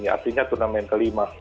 artinya turnamen ke lima